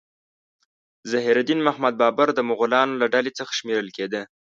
ظهیر الدین محمد بابر د مغولانو له ډلې څخه شمیرل کېده.